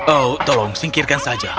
oh tolong singkirkan saja